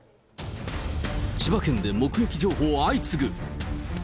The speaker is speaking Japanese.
千葉県で目撃情報相次ぐ。